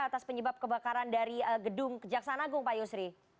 atas penyebab kebakaran dari gedung kejaksaan agung pak yusri